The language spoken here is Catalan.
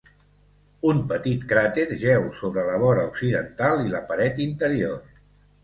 Un petit cràter jeu sobre la vora occidental i la paret interior.